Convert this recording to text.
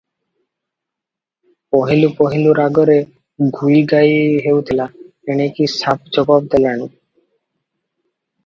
ପହିଲୁ ପହିଲୁ ରାଗରେ ଗୁଇଁ ଗାଇଁ ହେଉଥିଲା, ଏଣିକି ସାଫ ଜବାବ୍ ଦେଲାଣି ।